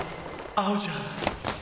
合うじゃん！！